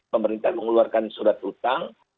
pemerintah mengeluarkan surat utang